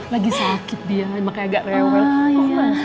lagi sakit dia makanya agak rewel